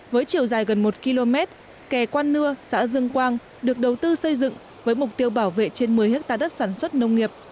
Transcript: với chiều dài gần một km kè quan nưa xã dương quang được đầu tư xây dựng với mục tiêu bảo vệ trên một mươi hectare đất sản xuất nông nghiệp